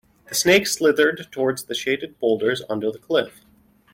The snake slithered toward the shaded boulders under the cliff.